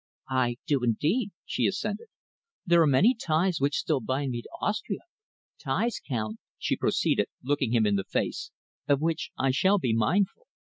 "I do indeed," she assented. "There are many ties which still bind me to Austria ties, Count," she proceeded, looking him in the face, "of which I shall be mindful.